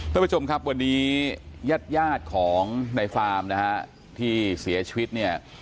ท่านผู้ชมครับวันนี้ญาติยาดของในฟาร์มนะฮะที่เสียชีวิตเนี่ย